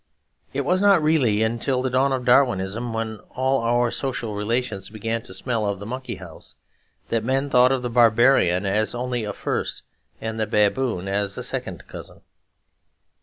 It was not really until the dawn of Darwinism, when all our social relations began to smell of the monkey house, that men thought of the barbarian as only a first and the baboon as a second cousin.